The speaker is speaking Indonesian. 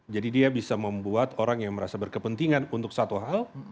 jadi dia bisa membuat orang yang merasa berkepentingan untuk satu hal